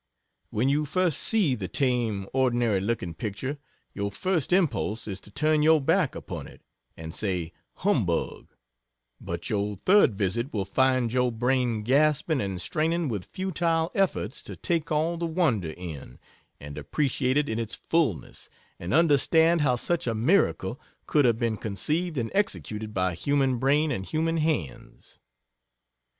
When you first see the tame, ordinary looking picture, your first impulse is to turn your back upon it, and say "Humbug" but your third visit will find your brain gasping and straining with futile efforts to take all the wonder in and appreciate it in its fulness and understand how such a miracle could have been conceived and executed by human brain and human hands.